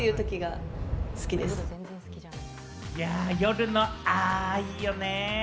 夜の、あ、いいよね。